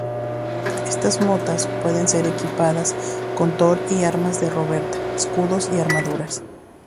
Estas motas pueden ser equipados con Tor y armas de Roberta, escudos y armaduras.